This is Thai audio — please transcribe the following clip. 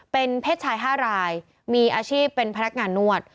เป็นเพศชาย๕รายมีอาชีพเป็นพนักงานนวด